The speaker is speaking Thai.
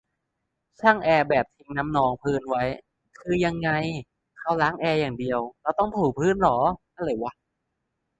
ช่างแอร์แบบทิ้งน้ำนองพื้นไว้ คือยังไง เขาล้างแอร์อย่างเดียว เราต้องถูพื้นเหรอ อะไรวะ